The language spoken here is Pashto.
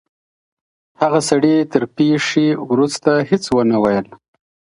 هغه سړی تر پېښي وروسته هیڅ ونه ویل.